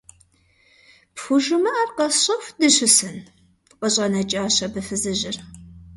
ПхужымыӀэр къэсщӀэху дыщысын? – къыщӀэнэкӀащ абы фызыжьыр.